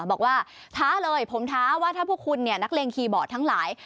บอกว่าท้าเลยผมท้าว่าถ้าพวกคุณเนี่ยนักเลงคีย์บอร์ดทั้งหลาย